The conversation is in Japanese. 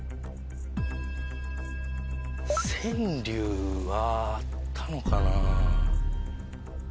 川柳はあったのかな？